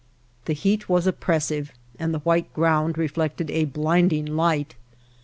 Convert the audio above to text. The heat was oppressive, and the white ground reflected a blinding light.